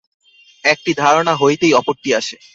একটি ধারণা হইতেই অপরটি আসে।